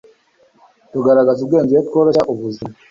Tugaragaza ubwenge iyo tworoshya ubuzima